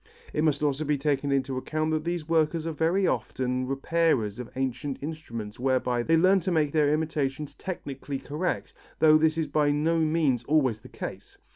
It must also be taken into account that these workers are very often repairers of ancient instruments whereby they learn to make their imitations technically correct, though this is by no means always the case.